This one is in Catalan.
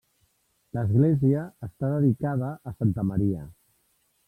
L'església està dedicada a santa Maria.